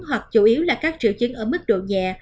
hoặc chủ yếu là các triệu chứng ở mức độ nhẹ